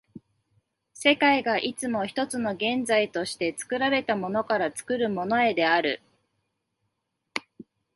世界がいつも一つの現在として、作られたものから作るものへである。